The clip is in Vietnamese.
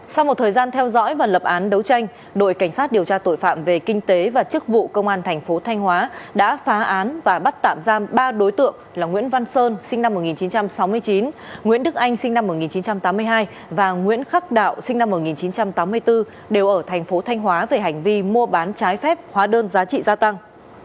sau một thời gian theo dõi và lập án đấu tranh đội cảnh sát điều tra tội phạm về kinh tế và chức vụ công an thành phố thanh hóa đã phá án và bắt tạm giam ba đối tượng là nguyễn văn sơn sinh năm một nghìn chín trăm sáu mươi chín nguyễn đức anh sinh năm một nghìn chín trăm tám mươi hai và nguyễn khắc đạo sinh năm một nghìn chín trăm tám mươi bốn đều ở thành phố thanh hóa về hành vi mua bán trái phép hóa đơn giá trị gia tăng